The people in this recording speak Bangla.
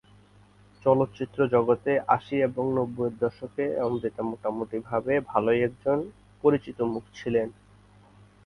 চলচ্চিত্র জগতে আশি এবং নব্বইয়ের দশকে অমৃতা মোটামুটিভাবে ভালোই একজন পরিচিত মুখ ছিলেন।